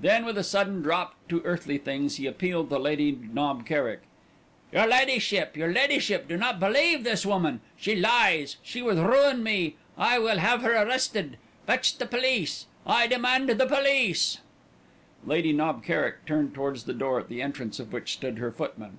Then with a sudden drop to earthly things he appealed to Lady Knob Kerrick. "Your Leddyship, your Leddyship, do not believe this woman. She lies! She would ruin me!! I will have her arrested!!! Fetch the police!!!! I demand the police!!!!!" Lady Knob Kerrick turned towards the door at the entrance of which stood her footman.